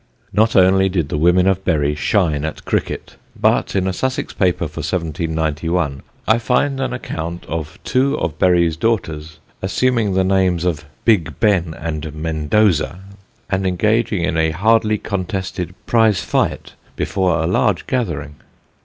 Not only did the women of Bury shine at cricket, but in a Sussex paper for 1791 I find an account of two of Bury's daughters assuming the names of Big Ben and Mendoza and engaging in a hardly contested prize fight before a large gathering.